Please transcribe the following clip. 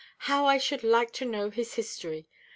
How I should like to know his history!